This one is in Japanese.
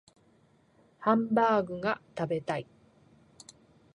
ハンバーグが食べたい